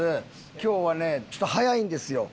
今日はねちょっと早いんですよ。